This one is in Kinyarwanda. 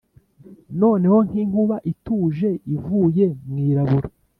noneho nkinkuba ituje ivuye mwirabura